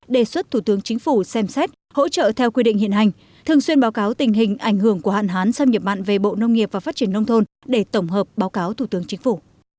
đề xuất thủ tướng chính phủ xem xét hỗ trợ theo quy định hiện hành thường xuyên báo cáo tình hình ảnh hưởng của hạn hán xâm nhập mặn về bộ nông nghiệp và phát triển nông thôn để tổng hợp báo cáo thủ tướng chính phủ